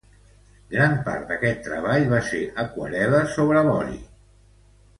Gran part d'aquest treball va ser aquarel·la sobre vori.